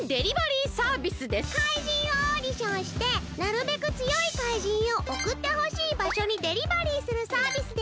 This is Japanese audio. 怪人をオーディションしてなるべくつよい怪人をおくってほしいばしょにデリバリーするサービスです！